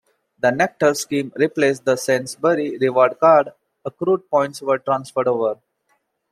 The Nectar scheme replaced the Sainsbury's Reward Card; accrued points were transferred over.